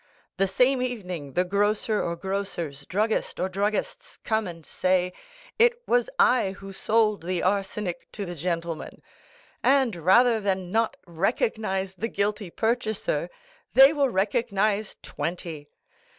The same evening the grocer or grocers, druggist or druggists, come and say, 'It was I who sold the arsenic to the gentleman;' and rather than not recognize the guilty purchaser, they will recognize twenty.